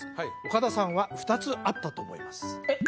岡田さんは２つあったと思いますえっ！